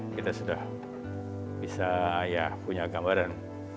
kita sudah bisa ya punya gambaran